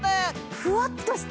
ふわっとした。